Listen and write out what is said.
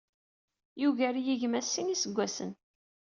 Yugar-iyi gma s sin iseggasen.